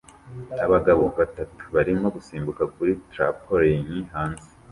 Abagabo batatu barimo gusimbuka kuri trampoline hanze